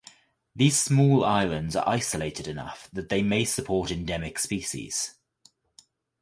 These small islands are isolated enough that they may support endemic species.